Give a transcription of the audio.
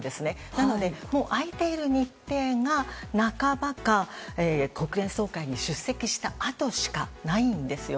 なので空いている日程が半ばか国連総会に出席した後しかないんです。